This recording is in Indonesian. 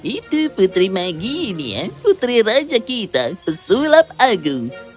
itu putri maginia putri raja kita pesulap agung